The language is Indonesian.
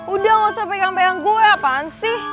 udah gausah pegang pegang gue apaan sih